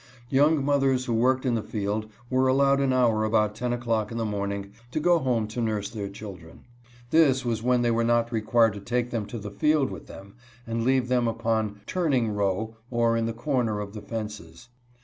Young mothers who worked in the field were allowed an hour about ten o'clock in the morning to go home to nurse their children. This was when they were not required to take them to the field with them, and leave them upon " turning row," or in the corner of the fences.